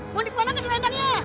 mau dipuang atau selendangnya